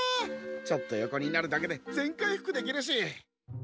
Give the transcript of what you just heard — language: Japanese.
ちょっと横になるだけで全回復できるし。